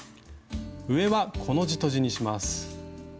上はコの字とじにします。